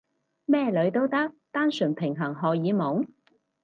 咩女都得？單純平衡荷爾蒙？